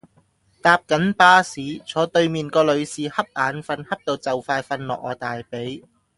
搭緊巴士，坐對面個女士恰眼瞓恰到就快瞓落我大髀